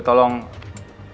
nanti jangan ikut ya